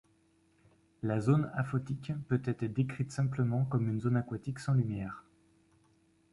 La zone aphotique peut être décrite simplement comme une zone aquatique sans lumière.